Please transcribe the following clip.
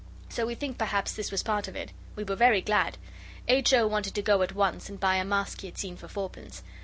So we think perhaps this was part of it. We were very glad. H. O. wanted to go out at once and buy a mask he had seen for fourpence.